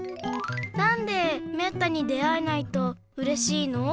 なんでめったに出会えないとうれしいの？